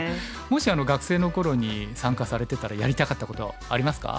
もし学生の頃に参加されてたらやりたかったことありますか？